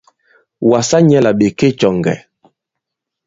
Wàsa nyɛ̄ là ɓè ke cɔ̀ŋgɛ̀.